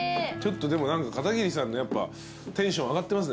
でも何か片桐さんのテンション上がってますね